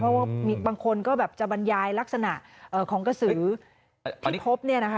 เพราะว่าบางคนก็แบบจะบรรยายลักษณะของกระสือที่พบเนี่ยนะคะ